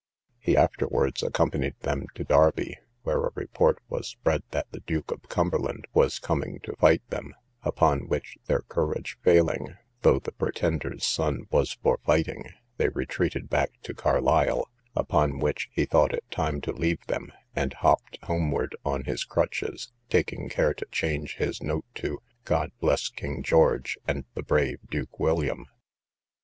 He afterwards accompanied them to Derby, where a report was spread, that the Duke of Cumberland was coming to fight them; upon which, their courage failing, though the Pretender's son was for fighting, they retreated back to Carlisle; upon which he thought it time to leave them, and hopped homewards on his crutches, taking care to change his note to "God bless King George, and the brave Duke William!"